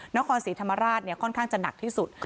นครศรีธรรมราชค่อนข้างจะหนักที่สุด